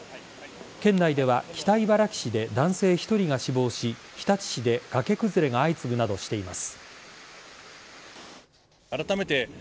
県内では北茨城市で男性１人が死亡し日立市で崖崩れが相次ぐなどしています。